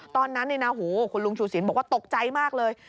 ตอนนั้นคุณลุงชูสินบอกว่าตกใจมากเลย